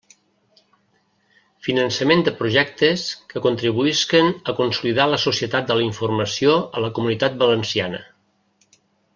Finançament de projectes que contribuïsquen a consolidar la Societat de la Informació a la Comunitat Valenciana.